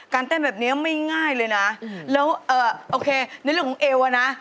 ปุ้มเป็นยังไงบ้างลูกกับการโชว์ของเพื่อนเรา